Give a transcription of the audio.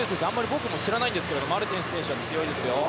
僕も知らないんですがマルテンス選手は強いです。